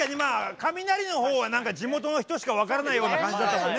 カミナリの方は何か地元の人しか分からないような感じだったもんね。